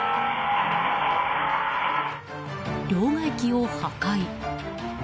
両替機を破壊！